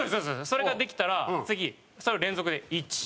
それができたら次それを連続で。